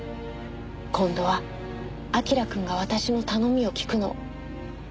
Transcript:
今度は彬くんが私の頼みを聞くの。